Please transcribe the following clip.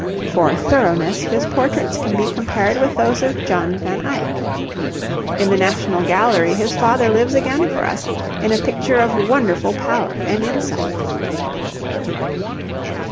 For thoroughness his portraits can be compared with those of John van Eyck. In the National Gallery his father lives again for us in a picture of wonderful power and insight.